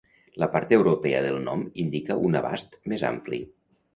La part "europea" del nom indica un abast més ampli.